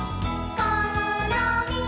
「このみっ！」